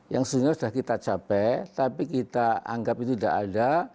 yang sebenarnya sudah kita capai tapi kita anggap itu tidak ada